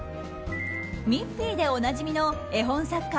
ミッフィーでおなじみの絵本作家